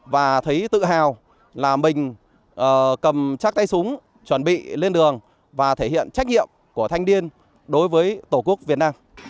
và thấy tự hào là mình cầm chắc tay súng chuẩn bị lên đường và thể hiện trách nhiệm của thanh niên đối với tổ quốc việt nam